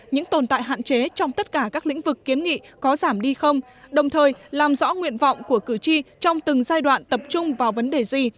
những tồn tại hạn chế trong tất cả các lĩnh vực kiến nghị có giảm đi không đồng thời làm rõ nguyện vọng của cử tri trong từng giai đoạn tập trung vào vấn đề gì